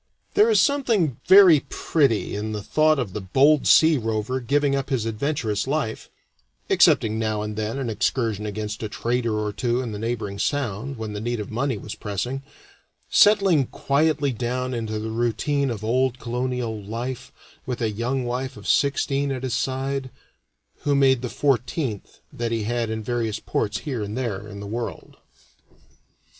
There is something very pretty in the thought of the bold sea rover giving up his adventurous life (excepting now and then an excursion against a trader or two in the neighboring sound, when the need of money was pressing); settling quietly down into the routine of old colonial life, with a young wife of sixteen at his side, who made the fourteenth that he had in various ports here and there in the world.